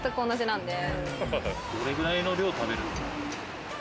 どれくらいの量、食べる？